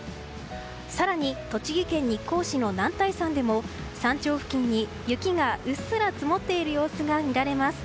更に栃木県日光市の男体山でも山頂付近に雪がうっすら積もっている様子が見られます。